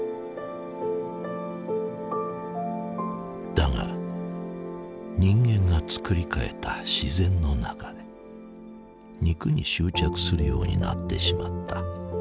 だが人間が作りかえた自然の中で肉に執着するようになってしまった。